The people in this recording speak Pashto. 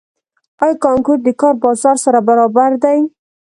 آیا کانکور د کار بازار سره برابر دی؟